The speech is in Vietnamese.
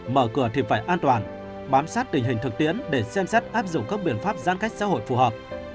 mở cửa thì phải an toàn bám sát tình hình thực tiễn để xem xét áp dụng các biện pháp giãn cách xã hội phù hợp